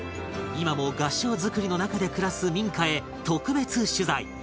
今も合掌造りの中で暮らす民家へ特別取材